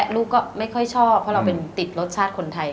ลูกก็ไม่ค่อยชอบเพราะเราเป็นติดรสชาติคนไทย